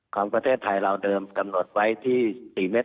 ของประเทศไทยเราเดิมกำหนดไว้ที่๔เมตร